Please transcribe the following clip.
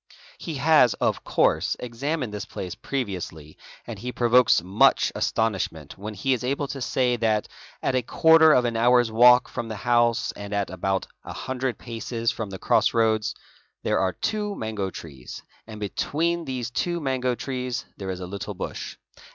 He has, of course,'examined this place previously and he provokes much astonish ment when he is able to say that at a quarter of an hour's walk from the house, and at about a hundred paces from the cross roads, there are two mango trees and between these two trees there is a little bush.